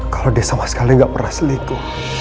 kalo dia sama sekali ga pernah seliku